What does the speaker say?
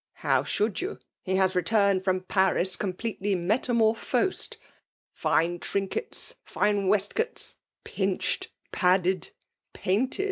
" How should you ? He haa returned from FaiftSf completely metamorphosed ; fine trink ctSi^fine waistcoats, — ^pinchcd, padded4tpaint€)d 150 FEB!